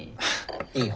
いいよ。